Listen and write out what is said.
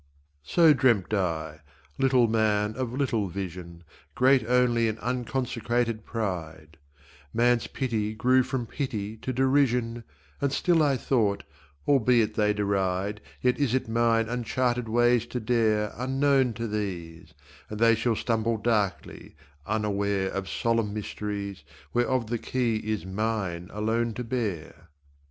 So dreamt I, little man of little vision, Great only in unconsecrated pride; Man's pity grew from pity to derision, And still I thought, 'Albeit they deride, Yet is it mine uncharted ways to dare Unknown to these, And they shall stumble darkly, unaware Of solemn mysteries Whereof the key is mine alone to bear.'